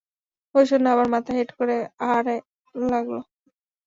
মধুসূদন আবার মাথা হেঁট করে আহারে লাগল।